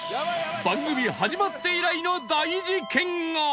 番組始まって以来の大事件が！